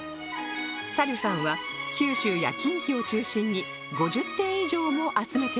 サリュさんは九州や近畿を中心に５０点以上も集めているそうです